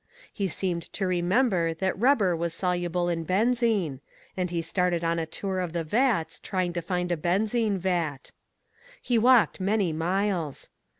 He seemed to remember that rubber was soluble in benzine, and he started on a tour of the vats, trying to find a benzine vat. He walked many miles.